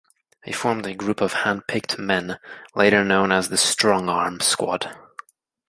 He formed a group of handpicked men, later known as the Strong Arm Squad.